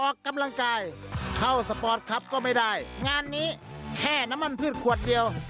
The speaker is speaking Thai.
ออกกำลังกายเข้าสปอร์ตครับก็ไม่ได้งานนี้แค่น้ำมันพืชขวดเดียว